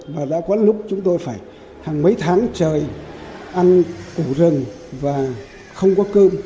và đã có lúc chúng tôi phải hàng mấy tháng trời ăn củ rừng và không có cơm